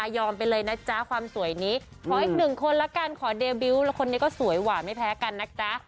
ไปเลยนะจ๊ะความสวยนี้ขออีกหนึ่งคนละกันขอเดบิวต์แล้วคนนี้ก็สวยหวานไม่แพ้กันนะจ๊ะ